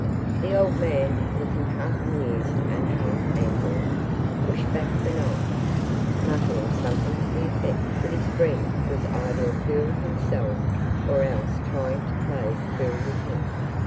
The old man, looking half amused and half angry, pushed back the knife, muttering something to the effect that his friend was either a fool himself or else tying to play the fool with him.